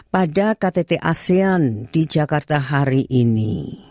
pada ktt asean di jakarta hari ini